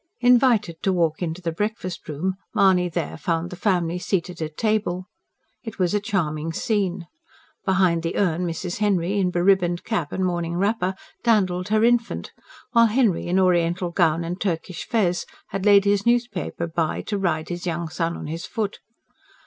Invited to walk into the breakfast room, Mahony there found the family seated at table. It was a charming scene. Behind the urn Mrs. Henry, in be ribboned cap and morning wrapper, dandled her infant; while Henry, in oriental gown and Turkish fez, had laid his newspaper by to ride his young son on his foot.